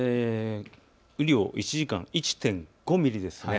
雨量１時間１．５ミリです。